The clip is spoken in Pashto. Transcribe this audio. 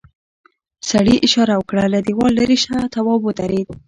سړي اشاره وکړه له دیوال ليرې شه تواب ودرېد.